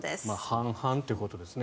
半々ということですね。